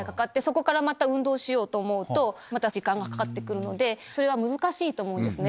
そこからまた運動しようと思うとまた時間がかかってくるのでそれは難しいと思うんですね。